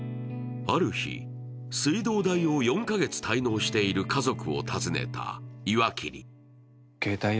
ある日、水道代を４か月滞納している家族を訪ねた、岩切。